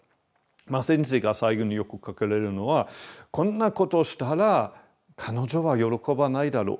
先生が最後によく書かれるのはこんなことしたら彼女は喜ばないだろう。